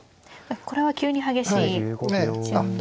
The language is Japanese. これは急に激しい順に。